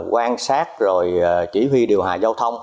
quan sát rồi chỉ huy điều hòa giao thông